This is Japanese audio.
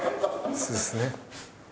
そうですね。